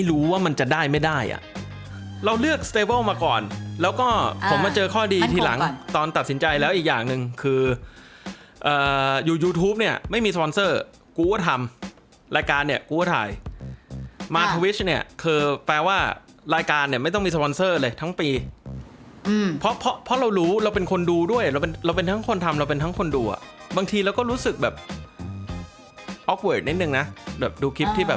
เราเลือกมาก่อนแล้วก็ผมมาเจอข้อดีทีหลังตอนตัดสินใจแล้วอีกอย่างหนึ่งคืออ่าอยู่ยูทูปเนี้ยไม่มีกูก็ทำรายการเนี้ยกูก็ถ่ายมาเนี้ยคือแปลว่ารายการเนี้ยไม่ต้องมีเลยทั้งปีอืมเพราะเพราะเรารู้เราเป็นคนดูด้วยเราเป็นเราเป็นทั้งคนทำเราเป็นทั้งคนดูอ่ะบางทีเราก็รู้สึกแบบนิดหนึ่งน่ะแบบดูคลิปที่แบ